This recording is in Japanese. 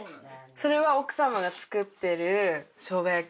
それは奥様が作ってる生姜焼き。